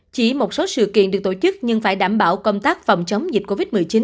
chỉ một số sự kiện được tổ chức nhưng phải đảm bảo công tác phòng chống dịch covid một mươi chín